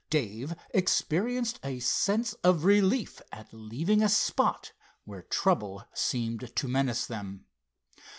Dave experienced a sense of relief at leaving a spot where trouble seemed to menace them.